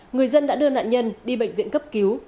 người dân đã đưa nạn nhân đi bệnh viện cấp cứu